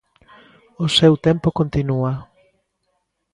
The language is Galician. O seu tempo continúa.